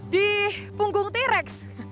di punggung t rex